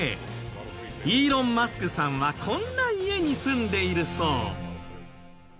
イーロン・マスクさんはこんな家に住んでいるそう。